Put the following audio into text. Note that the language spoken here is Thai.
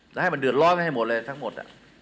แล้วให้มันเดือดร้อนไปให้หมดเลยทั้งหมด